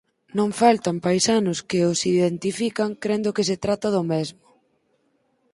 Non faltan paisanos que os identifican crendo que se trata do mesmo.